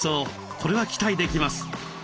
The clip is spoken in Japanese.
これは期待できます。